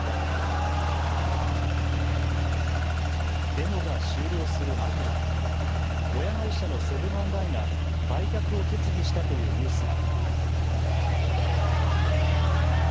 デモが終了する間際、親会社のセブン＆アイが売却を決議したというニュースが。